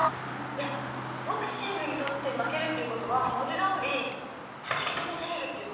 いやボクシングにとって負けるっていう事は文字どおりたたきのめされるっていう事でしょ？